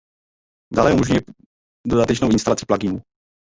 Dále umožňuje dodatečnou instalaci pluginů.